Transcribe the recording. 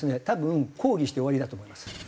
多分抗議して終わりだと思います。